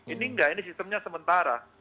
ini enggak ini sistemnya sementara